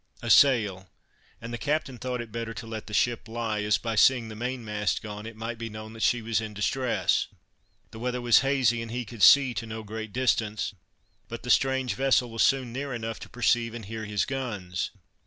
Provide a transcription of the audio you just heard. a sail!" and the captain thought it better to let the ship lie, as by seeing the main mast gone, it might be known that she was in distress. The weather was hazy, and he could see to no great distance, but the strange vessel was soon near enough to perceive and hear his guns.